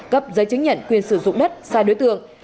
cấp giấy chứng nhận quyền sử dụng đất sai đối tượng